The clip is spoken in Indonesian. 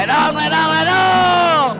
ledang ledang ledang